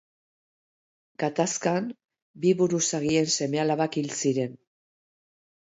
Gatazkan, bi buruzagien seme-alabak hil ziren.